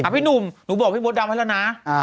พี่หนุ่มหนูบอกพี่มดดำไว้แล้วนะ